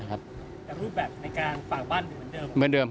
แต่รูปแบบในกลางฝั่งบ้านเหมือนเดิม